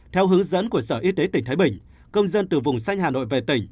theo hướng dẫn của sở y tế tỉnh thái bình công dân từ vùng xanh hà nội về tỉnh